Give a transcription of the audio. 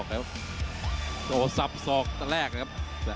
ติดไปแล้วก็จะรอบราเก๋ป